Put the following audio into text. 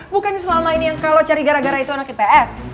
bukan selama ini yang kalau cari gara gara itu anak ips